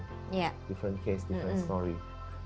salah satunya adalah mungkin orang tua mempertimbangkan